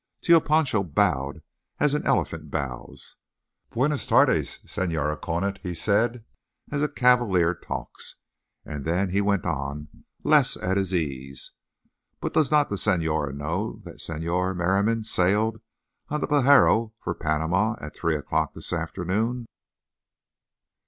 Tio Pancho bowed as an elephant bows. "Buenas tardes, Señora Conant," he said, as a cavalier talks. And then he went on, less at his ease: "But does not the señora know that Señor Merriam sailed on the Pajaro for Panama at three o'clock of this afternoon?"